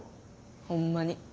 ほんまに。